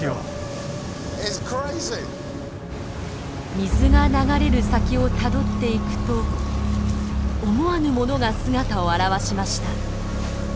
水が流れる先をたどっていくと思わぬものが姿を現しました。